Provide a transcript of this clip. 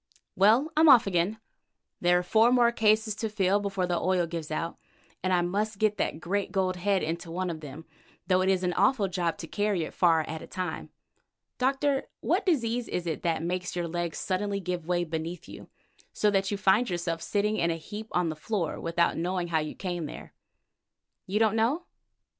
Well, I'm off again. There are four more cases to fill before the oil gives out, and I must get that great gold head into one of them, though it is an awful job to carry it far at a time. Doctor, what disease is it that makes your legs suddenly give way beneath you, so that you find yourself sitting in a heap on the floor without knowing how you came there? You don't know?